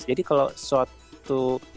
jadi kalau short itu